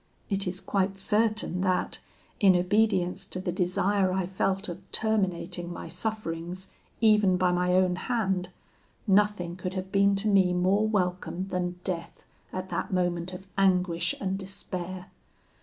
It is quite certain that, in obedience to the desire I felt of terminating my sufferings, even by my own hand, nothing could have been to me more welcome than death at that moment of anguish and despair.